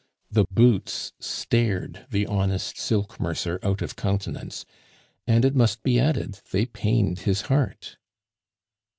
The boots stared the honest silk mercer out of countenance, and, it must be added, they pained his heart.